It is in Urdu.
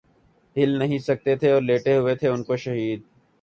ہل نہیں سکتے تھے اور لیٹے ہوئے تھے انکو شہید